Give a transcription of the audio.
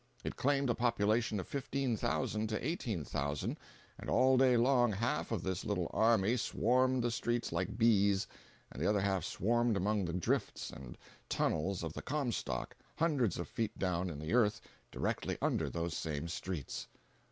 It claimed a population of fifteen thousand to eighteen thousand, and all day long half of this little army swarmed the streets like bees and the other half swarmed among the drifts and tunnels of the "Comstock," hundreds of feet down in the earth directly under those same streets.